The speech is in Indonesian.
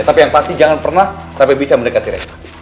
tapi yang pasti jangan pernah sampai bisa mendekati reka